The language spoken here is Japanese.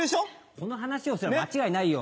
この話をすれば間違いないよ。